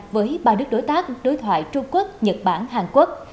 với ba nước đối tác đối thoại trung quốc nhật bản hàn quốc